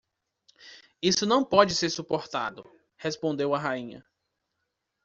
Isso não pode ser suportado! Respondeu a rainha.